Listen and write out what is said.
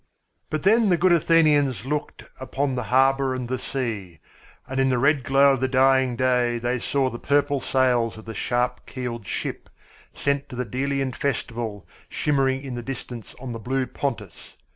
But then the good Athenians looked upon the harbour and the sea, and in the red glow of the dying day they saw the purple sails of the sharp keeled ship, sent to the Delian festival, shimmering in the distance on the blue Pontus.